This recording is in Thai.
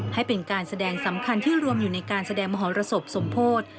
ให้เป็นการแสดงสำคัญที่รวมอยู่ในการแสดงมหรสบสมโพธิ